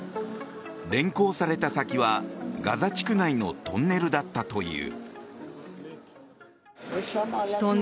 連行された先は、ガザ地区内のトンネルだったという。